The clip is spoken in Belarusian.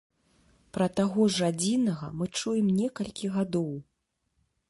Пра таго ж адзінага мы чуем некалькі гадоў.